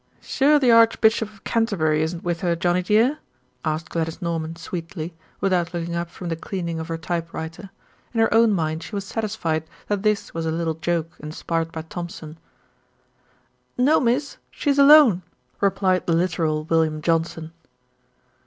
"Sure the Archbishop of Canterbury isn't with her, Johnnie dear?" asked Gladys Norman sweetly, without looking up from the cleaning of her typewriter. In her own mind she was satisfied that this was a little joke inspired by Thompson. "No, Miss, she's alone," replied the literal William Johnson.